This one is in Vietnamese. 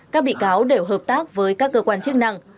các bị cáo đều hợp tác với các cơ quan chức năng